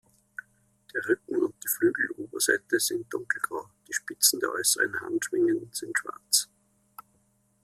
Der Rücken und die Flügeloberseite sind dunkelgrau, die Spitzen der äußeren Handschwingen sind schwarz.